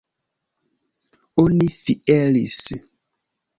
Oni fieris.